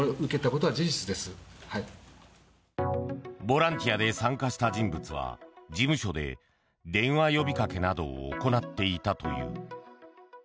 ボランティアで参加した人物は事務所で電話呼びかけなどを行っていたという。